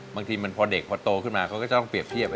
บางทีมันพอเด็กพอโตขึ้นมาเขาก็จะต้องเปรียบเทียบ